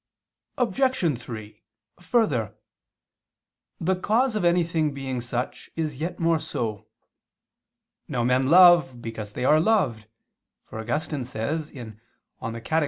Obj. 3: Further, "the cause of anything being such is yet more so." Now men love because they are loved, for Augustine says (De Catech.